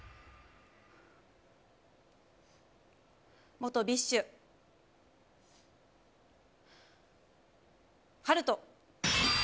元ＢｉＳＨ、暖人。